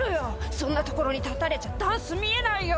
そんなところに立たれちゃダンス見えないよ！